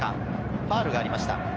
ファウルがありました。